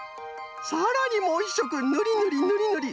さらにもう１しょくぬりぬりぬりぬり。